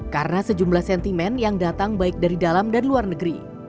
karena sejumlah sentimen yang datang baik dari dalam dan luar negeri